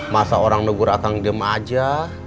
masa orang nunggu akang diem aja